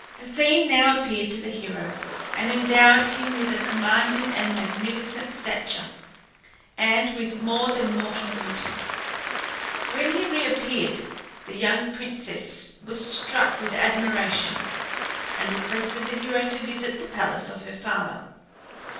Athene now appeared to the hero and endowed him with a commanding and magnificent stature, and with more than mortal beauty. When he reappeared, the young princess was struck with admiration, and requested the hero to visit the palace of her father.